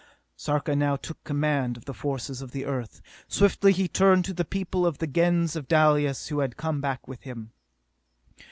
Sarka now took command of the forces of the Earth. Swiftly he turned to the people of the Gens of Dalis who had come back with him.